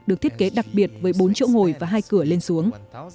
được thiết kế đặc biệt với bốn chỗ ngồi và hai cửa lên xuống